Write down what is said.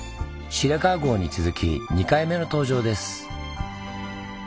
「白川郷」に続き２回目の登場です。